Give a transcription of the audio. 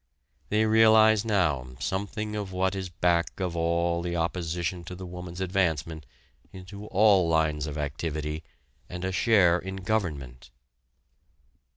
They realize now something of what is back of all the opposition to the woman's advancement into all lines of activity and a share in government.